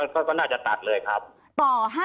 ก็น่าจะตัดเลยครับ